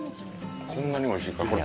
こんなにもおいしいとは。